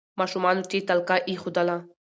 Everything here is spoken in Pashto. ماشومانو چي تلکه ایښودله